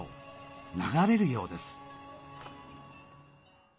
流れるようです。